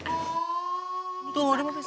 tunggu udah mau ke sayur